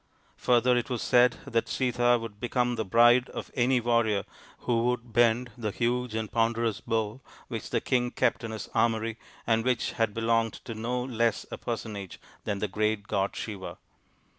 Further, it was said that Sita would become the bride of any warrior who could >end the huge and ponderous bow which the king :ept in his armoury and which had belonged to no sss a personage than the great god Siva.